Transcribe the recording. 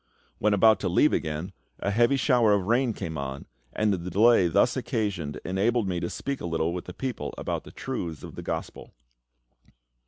When about to leave again, a heavy shower of rain came on, and the delay thus occasioned enabled me to speak a little to the people about the truths of the Gospel.